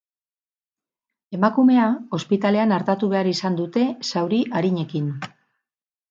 Emakumea ospitalean artatu behar izan dute, zauri arinekin.